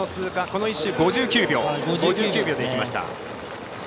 この１周５９秒で行きました。